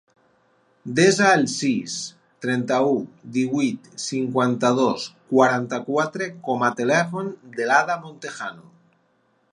Desa el sis, trenta-u, divuit, cinquanta-dos, quaranta-quatre com a telèfon de l'Ada Montejano.